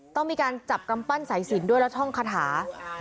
ต้องมีการจับกำปั้นสายสินด้วยและท่องคาถา